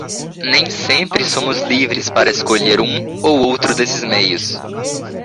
Nem sempre somos livres para escolher um ou outro desses meios.